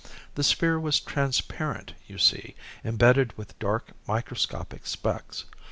The sphere was transparent, you see, imbedded with dark microscopic specks.